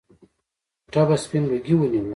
کوټه به سپين لوګي ونيوله.